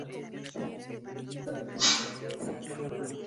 Son dos notas, una de propuesta y otra de respuesta y aceptación.